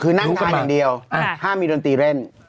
คือนั่งทานอย่างเดียวห้ามมีดนตรีเล่น